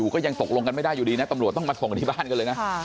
ก็ยังตกลงกันไม่ได้อยู่ดีนะตำรวจต้องมาส่งที่บ้านกันเลยนะ